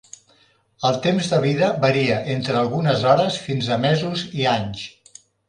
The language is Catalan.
El temps de vida varia entre algunes hores fins a mesos i anys.